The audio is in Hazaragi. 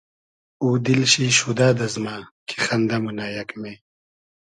او دیل شی شودۂ دئزمۂ کی خئندۂ مونۂ یئگمې